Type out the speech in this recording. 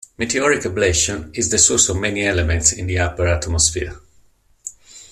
Meteoric ablation is the source of many elements in the upper atmosphere.